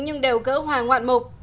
nhưng đều gỡ hòa ngoạn mục